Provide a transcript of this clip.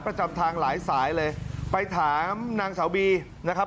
ประจำทางหลายสายเลยไปถามนางสาวบีนะครับ